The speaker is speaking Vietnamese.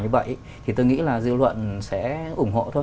như vậy thì tôi nghĩ là dư luận sẽ ủng hộ thôi